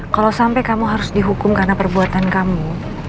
kalau sampai kamu harus dihukum karena perbuatan kamu